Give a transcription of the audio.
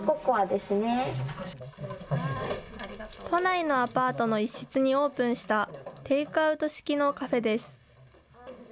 都内のアパートの一室にオープンしたテイクアウト式のカフェです。